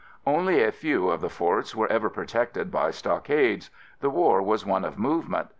Only a few of the forts were ever protected by stockades. The war was one of movement.